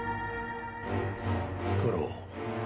九郎。